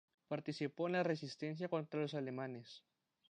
Participó en la Resistencia contra los alemanes.